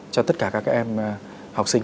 cho tất cả các em học sinh